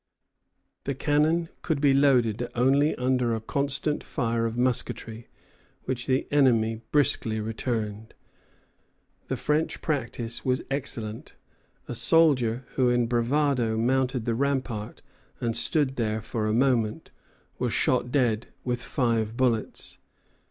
The cannon could be loaded only under a constant fire of musketry, which the enemy briskly returned. The French practice was excellent. A soldier who in bravado mounted the rampart and stood there for a moment, was shot dead with five bullets.